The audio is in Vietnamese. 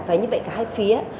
phải như vậy cả hai phía